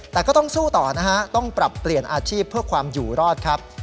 แต่ก็ต้องสู้ต่อนะฮะต้องปรับเปลี่ยนอาชีพเพื่อความอยู่รอดครับ